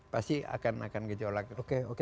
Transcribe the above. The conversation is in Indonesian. pasti akan gitu laku